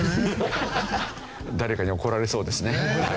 誰かに怒られそうですね。